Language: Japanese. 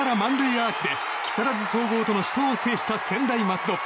アーチで木更津総合との死闘を制した専大松戸。